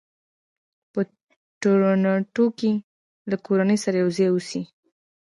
په ټورنټو کې له کورنۍ سره یو ځای اوسي.